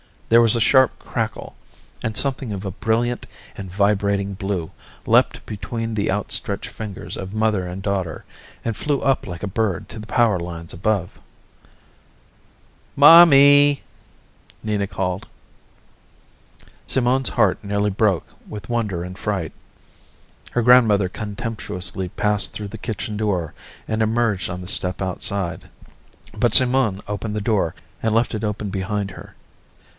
There was a sharp crackle, and something of a brilliant and vibrating blue leaped between the out stretched fingers of mother and daughter, and flew up like a bird to the power lines above. "Mommy," Nina called. Simone's heart nearly broke with wonder and fright. Her grandmother contemptuously passed through the kitchen door and emerged on the step outside, but Simone opened the door and left it open behind her.